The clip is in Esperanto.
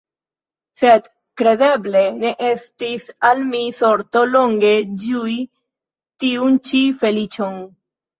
Sed kredeble ne estis al mi sorto longe ĝui tiun ĉi feliĉon.